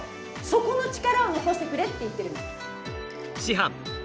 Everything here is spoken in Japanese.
そこの力を残してくれって言ってるの。